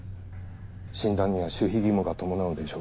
診断には守秘義務が伴うでしょう。